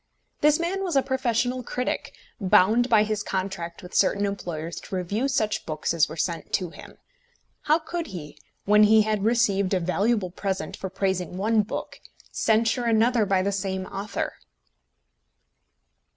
This man was a professional critic, bound by his contract with certain employers to review such books as were sent to him. How could he, when he had received a valuable present for praising one book, censure another by the same author?